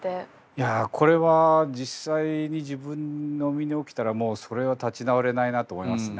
いやこれは実際に自分の身に起きたらもうそれは立ち直れないなと思いますね。